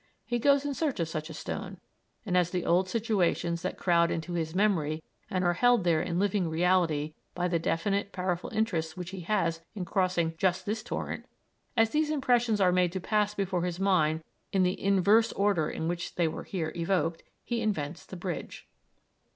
He goes in search of such a stone, and as the old situations that crowd into his memory and are held there in living reality by the definite powerful interest which he has in crossing just this torrent, as these impressions are made to pass before his mind in the inverse order in which they were here evoked, he invents the bridge.